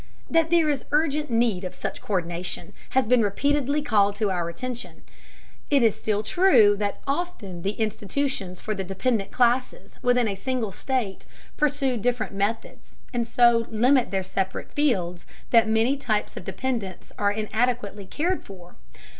That there is urgent need of such co÷rdination has been repeatedly called to our attention. It is still true that often the institutions for the dependent classes within a single state pursue different methods, and so limit their separate fields that many types of dependents are inadequately cared for.